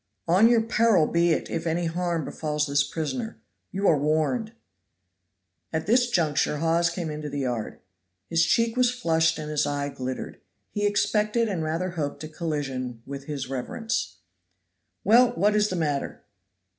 "On your peril be it if any harm befalls this prisoner you are warned." At this juncture Hawes came into the yard. His cheek was flushed and his eye glittered. He expected and rather hoped a collision with his reverence. "Well, what is the matter?"